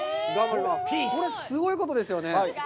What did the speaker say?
これ、すごいことですよね。